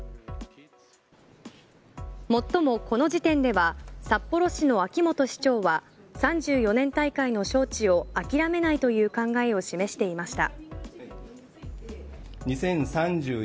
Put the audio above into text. もっとも、この時点では札幌市の秋元市長は３４年大会の招致を諦めないという考えを示していました。